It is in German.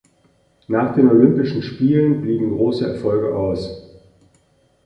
Nach den Olympischen Spielen blieben grosse Erfolge aus.